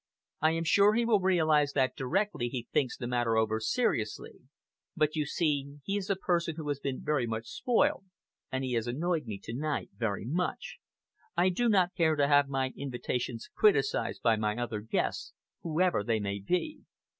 I am sure he will realize that directly he thinks the matter over seriously; but you see he is a person who has been very much spoilt, and he annoyed me to night very much. I do not care to have my invitations criticised by my other guests, whoever they may be.